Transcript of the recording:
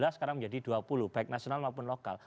tiga sekarang menjadi dua puluh baik nasional maupun lokal